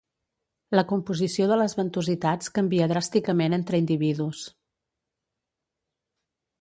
La composició de les ventositats canvia dràsticament entre individus.